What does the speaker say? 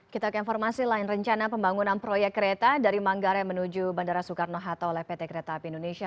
kita ke informasi lain rencana pembangunan proyek kereta dari manggarai menuju bandara soekarno hatta oleh pt kereta api indonesia